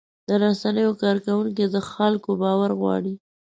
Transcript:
د رسنیو کارکوونکي د خلکو باور غواړي.